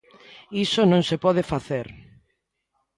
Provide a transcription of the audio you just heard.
Iso non se pode facer.